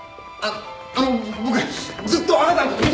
ああの僕ずっとあなたのこと。